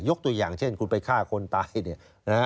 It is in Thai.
ยกตัวอย่างเช่นคุณไปฆ่าคนตาย